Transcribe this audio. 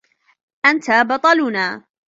أنت بطلنا.